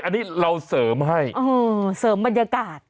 อันนี้เราเสริมให้เสริมบรรยากาศ